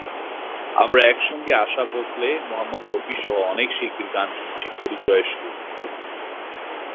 আমরা একসঙ্গে আশা ভোঁসলে, মোহাম্মদ রফিসহ অনেক শিল্পীর গান শুনেছি পরিচয়ের শুরুতে।